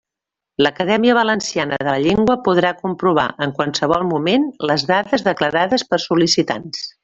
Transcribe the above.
L'Acadèmia Valenciana de la Llengua podrà comprovar en qualsevol moment les dades declarades pels sol·licitants.